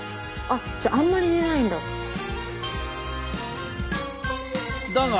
あっじゃああんまり入れないんだ。